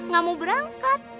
gak mau berangkat